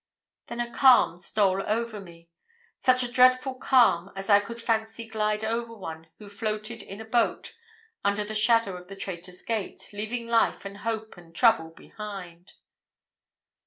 Then a calm stole over me such a dreadful calm as I could fancy glide over one who floated in a boat under the shadow of the 'Traitor's Gate,' leaving life and hope and trouble behind.